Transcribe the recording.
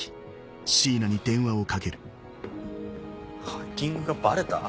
ハッキングがバレた？